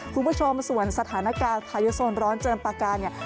คุณผู้ชมส่วนสถานการณ์พายุโซนร้อนเจิมปากกาเนี่ย